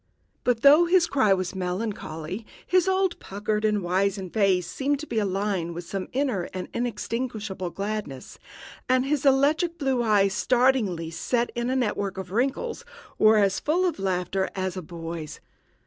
But, though his cry was melancholy, his old puckered and wizened face seemed to be alight with some inner and inextinguishable gladness, and his electrical blue eyes, startlingly set in a network of wrinkles, were as full of laughter as a boy's.